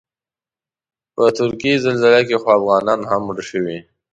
په ترکیې زلزله کې خو افغانان هم مړه شوي.